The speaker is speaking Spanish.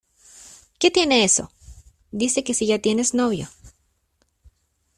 ¡Qué tiene eso! dice que si ya tienes novio.